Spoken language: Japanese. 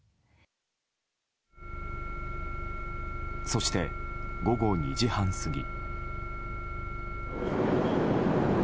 そして午後２時半過ぎ。